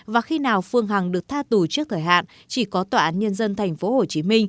và khi nào phương hằng được tha tù trước thời hạn chỉ có tòa án nhân dân tp hcm